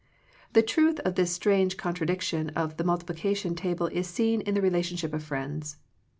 The truth of this strange contradiction of the multiplication table is seen in the relationship of friends.